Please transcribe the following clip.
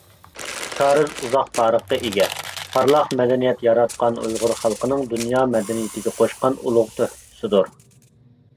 كارىز ئۇزاق تارىخقا ئىگە، پارلاق مەدەنىيەت ياراتقان ئۇيغۇر خەلقىنىڭ دۇنيا مەدەنىيىتىگە قوشقان ئۇلۇغ تۆھپىسىدۇر.